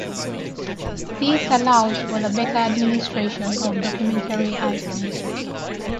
This allows for the better administration of documentary items.